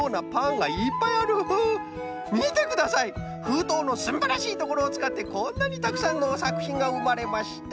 ふうとうのすんばらしいところをつかってこんなにたくさんのさくひんがうまれました。